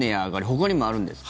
ほかにもあるんですか？